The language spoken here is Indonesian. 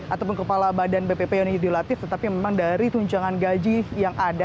ataupun kepala badan bpip yang judilatif tetapi memang dari tunjangan gaji yang ada